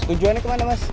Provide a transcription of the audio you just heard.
tujuannya kemana mas